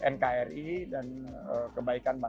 nkri dan kebaikan bapak